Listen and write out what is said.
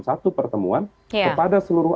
satu pertemuan kepada seluruh